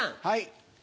はい。